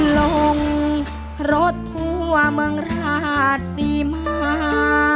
ลงรถทั่วเมืองราชศรีมา